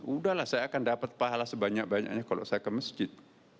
udahlah saya akan dapat pahala sebanyak banyaknya kalau saya ke masjid